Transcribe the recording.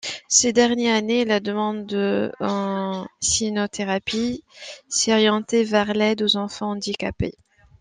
Ces dernières années, la demande en cynothérapie s'est orientée vers l'aide aux enfants handicapés.